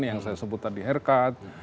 yang saya sebut tadi haircut